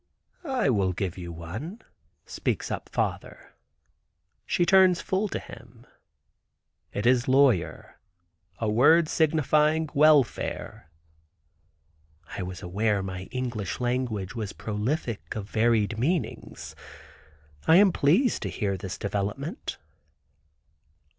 "I will give you one," speaks up father. She turns full to him. "It is lawyer, a word signifying welfare." I was aware my English language was prolific of varied meanings. I am pleased to hear this development.